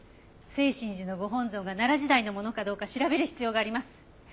星辰寺のご本尊が奈良時代のものかどうか調べる必要があります。